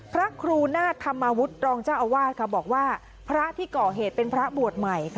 พระครูนาฏธรรมวุฒิรองเจ้าอาวาสค่ะบอกว่าพระที่ก่อเหตุเป็นพระบวชใหม่ค่ะ